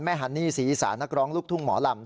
ฮันนี่ศรีอีสานนักร้องลูกทุ่งหมอลำ